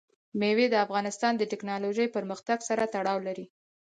مېوې د افغانستان د تکنالوژۍ پرمختګ سره تړاو لري.